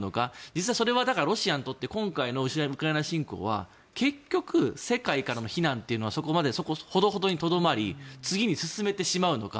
実はそれはロシアにとって今回のウクライナ侵攻は結局、世界からの非難というのはそこまでほどほどにとどまり次に進めてしまうのか。